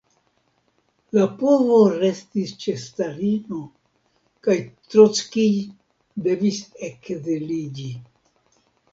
La povo restis ĉe Stalino, kaj Trockij devis ekziliĝi.